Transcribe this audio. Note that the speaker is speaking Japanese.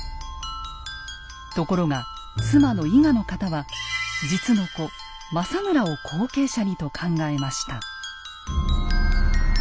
ところが妻の伊賀の方は実の子・政村を後継者にと考えました。